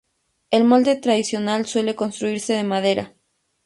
El molde tradicional suele construirse de madera.